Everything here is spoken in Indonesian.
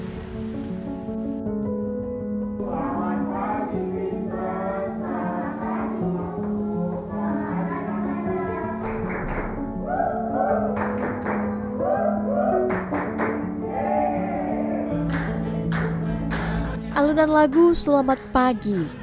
mengajak selisih ruangan bersemangat untuk memulai hari